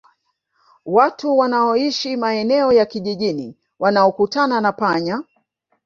Watu wanaoishi maeneo ya kijijini wanaokutana na panya